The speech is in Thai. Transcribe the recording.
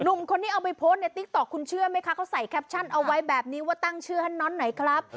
หนุ่มคนนี้เอาไปโพสต์ในติ๊กต๊อกคุณเชื่อไหมคะเขาใส่แคปชั่นเอาไว้แบบนี้ว่าตั้งชื่อให้น้อนหน่อยครับ